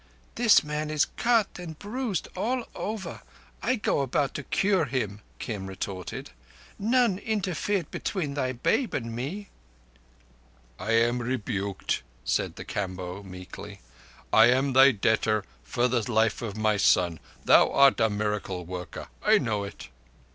"This man is cut and bruised all over. I go about to cure him," Kim retorted. "None interfered between thy babe and me." "I am rebuked," said the Kamboh meekly. "I am thy debtor for the life of my son. Thou art a miracle worker—I know it."